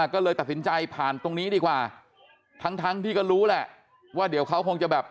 ก็เลยตัดสินใจผ่านตรงนี้ดีกว่าทั้งทั้งที่ก็รู้แหละว่าเดี๋ยวเขาคงจะแบบ